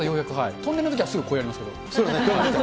トンネルのときはすぐこうやりますけど。